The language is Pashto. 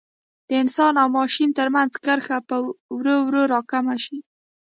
د انسان او ماشین ترمنځ کرښه به ورو ورو را کمه شي.